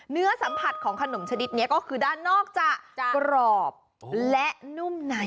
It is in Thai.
เนื้อสัมผัสของขนมชนิดนี้ก็คือด้านนอกจะกรอบและนุ่มใน